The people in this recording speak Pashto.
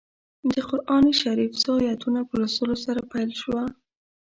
د قران شریف څو ایتونو په لوستلو سره پیل شوه.